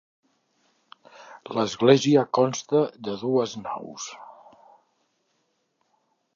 L'església consta de dues naus.